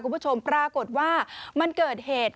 คุณผู้ชมปรากฏว่ามันเกิดเหตุ